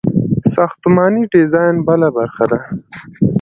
ساختماني ډیزاین بله برخه ده.